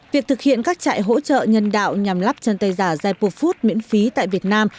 việc thực hiện các trại hỗ trợ nhân đạo nhằm lắp chân tay giả jaipur food miễn phí tại việt nam